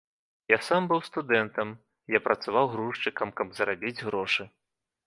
Я сам быў студэнтам, я працаваў грузчыкам, каб зарабіць грошай.